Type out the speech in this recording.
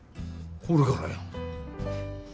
これからや。